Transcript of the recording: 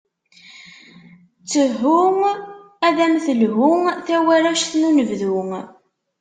Ttehhu, ad am-telhu, tawaract n unebdu.